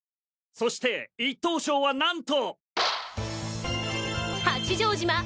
そして一等賞はなんと！